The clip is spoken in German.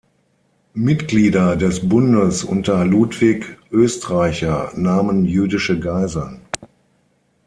Mitglieder des Bundes unter Ludwig Oestreicher nahmen jüdische Geiseln.